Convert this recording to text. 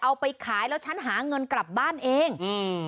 เอาไปขายแล้วฉันหาเงินกลับบ้านเองอืม